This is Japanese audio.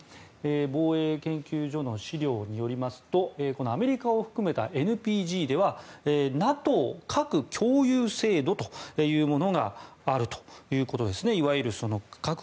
防衛研究所の資料によりますとアメリカを含めたＮＰＧではＮＡＴＯ核共有制度というものがあるということですね。